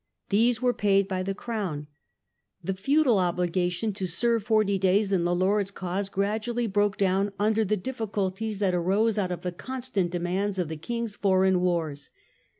These were paid by the crown. The feudal ja) feudal obligation to serve forty days in the lord's *«vy. cause gradually broke down under the diffi culties that arose out of the constant demands of the kings' foreign wars.